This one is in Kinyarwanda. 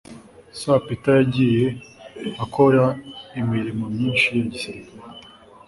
Sir Peter yagiye akora imirimo myinshi ya gisirikare